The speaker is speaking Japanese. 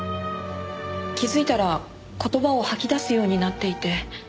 気づいたら言葉を吐き出すようになっていて。